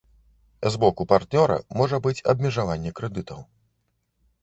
І з боку партнёра можа быць абмежаванне крэдытаў.